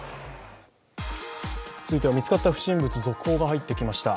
続いては見つかった不審物、続報が入ってきました。